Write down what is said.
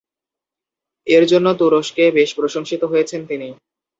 এর জন্য তুরস্কে বেশ প্রশংসিত হয়েছেন তিনি।